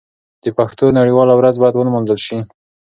د پښتو نړیواله ورځ باید ونمانځل شي.